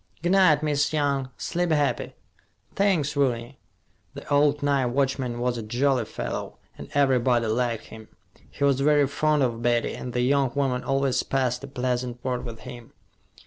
"G' night, Miss Young. Sleep happy." "Thanks, Rooney." The old night watchman was a jolly fellow, and everybody liked him. He was very fond of Betty, and the young woman always passed a pleasant word with him.